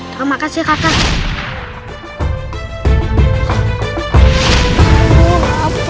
terima kasih kakak